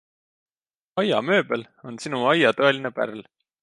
Aiamööbel on Sinu aia tõeline pärl!